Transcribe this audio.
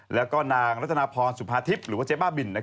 แล้วก็นางรัตนาพรสุภาทิพย์หรือว่าเจ๊บ้าบิน